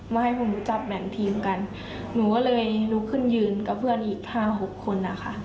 มาให้ผมรู้จักแบ่งทีมกันหนูก็เลยลุกขึ้นยืนกับเพื่อนอีกห้าหกคนนะคะ